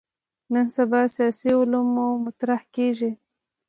نن سبا سیاسي علومو مطرح کېږي.